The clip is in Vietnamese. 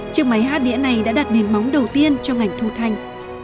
chiếc máy hát đĩa này đã đặt nền móng đầu tiên cho ngành thu thanh